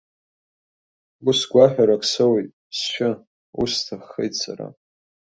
Ус гәаҳәарак соуит, сшьы, ус сҭаххеит сара.